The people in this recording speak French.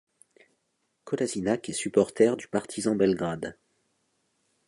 Kolašinac est supporter du Partizan Belgrade.